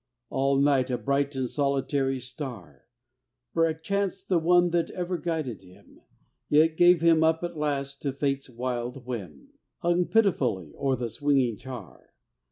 All night a bright and solitary star (Perchance the one that ever guided him, Yet gave him up at last to Fate's wild whim) Hung pitifully o'er the swinging char.